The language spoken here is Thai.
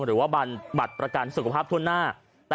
หรือว่าบันบัตรประกันสุขภาพทั่วหน้า